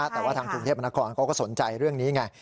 แต่ว่าทางกรุงเทพมนครเขาก็สนใจเรื่องนี้ไง